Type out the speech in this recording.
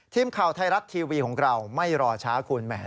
ทีมข่าวไทยรัฐทีวีของเราไม่รอช้าคุณ